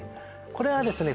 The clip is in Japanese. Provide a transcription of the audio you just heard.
これはですね